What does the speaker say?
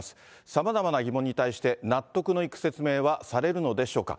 さまざまな疑問に対して、納得のいく説明はされるのでしょうか。